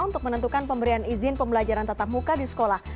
untuk menentukan pemberian izin pembelajaran tetap muka di sekolah